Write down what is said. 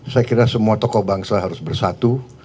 saya kira semua tokoh bangsa harus bersatu